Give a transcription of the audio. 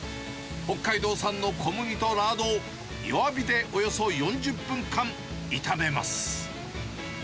北海道産の小麦とラードを弱火でおよそ４０分間炒めます。